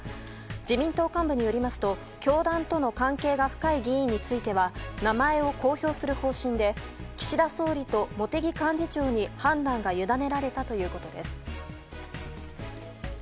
自民党幹部によりますと教団との関係が深い議員については名前を公表する方針で岸田総理と茂木幹事長に判断はゆだねられたということです。